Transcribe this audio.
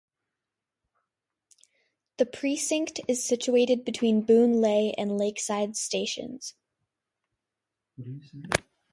The precinct is situated between Boon Lay and Lakeside stations.